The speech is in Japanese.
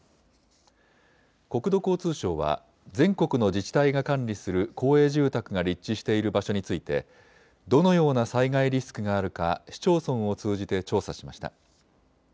国土交通省は全国の自治体が管理する公営住宅が立地している場所についてどのような災害リスクがあるか市町村を通じて調査しました。